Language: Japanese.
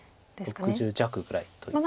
６０弱ぐらいという。